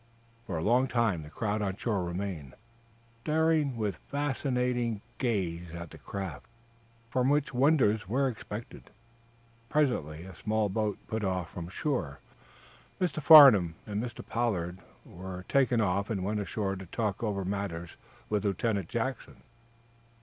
For a long time the crowd on shore remained, staring with fascinated gaze at the craft from which wonders were expected. Presently a small boat put off from shore. Mr. Farnum and Mr. Pollard were taken off and went ashore to talk over matters with Lieutenant Jackson.